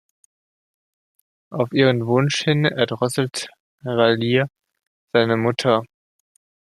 Auf ihren Wunsch hin erdrosselt Vallier seine Mutter.